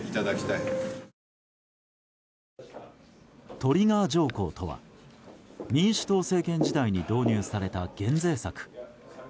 トリガー条項とは民主党政権時代に導入された、減税策。